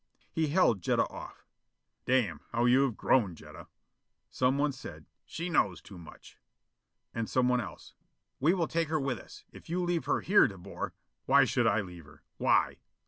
He held Jetta off. "Damn, how you have grown, Jetta." Someone said, "She knows too much." And someone else, "We will take her with us. If you leave her here, De Boer " "Why should I leave her? Why?